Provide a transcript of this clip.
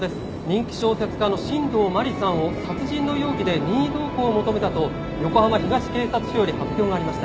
「人気小説家の新道真理さんを殺人の容疑で任意同行を求めたと横浜東警察署より発表がありました」